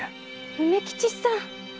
梅吉さん。